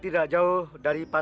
tidak ada siapa